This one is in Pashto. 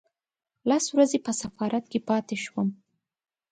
لس ورځې په سفارت کې پاتې شوم.